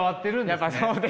やっぱそうですね。